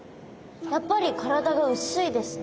やっぱり体が薄いですね。